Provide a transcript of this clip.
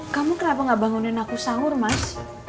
kamu kenapa gak bangunin aku sahur mas